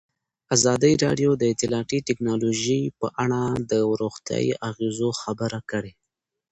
ازادي راډیو د اطلاعاتی تکنالوژي په اړه د روغتیایي اغېزو خبره کړې.